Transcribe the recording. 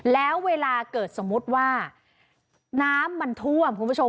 แล้วเวลาเกิดสมมุติว่าน้ำมันท่วมคุณผู้ชม